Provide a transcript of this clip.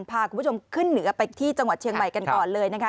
พาคุณผู้ชมขึ้นเหนือไปที่จังหวัดเชียงใหม่กันก่อนเลยนะคะ